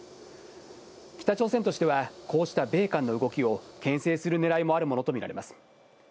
北朝鮮としては、こうした米韓の動きをけん制するねらいもあるものと見られます。